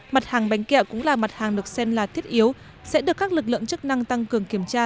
mặt hàng bánh kẹo cũng là mặt hàng được xem là thiết yếu sẽ được các lực lượng chức năng tăng cường kiểm tra